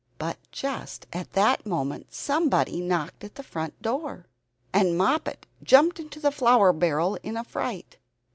But just at that moment somebody knocked at the front door, and Moppet jumped into the flour barrel in a fright.